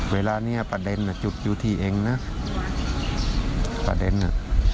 เวลาเนี้ยประเด็นจุดอยู่ที่เองนะประเด็นน่ะ